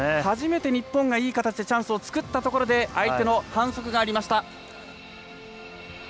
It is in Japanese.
初めて、日本がいい形でチャンスを作ったところ相手の反則がありました。